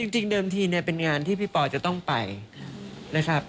จริงเดิมทีเป็นงานที่พี่ปจะต้องไปนะครับ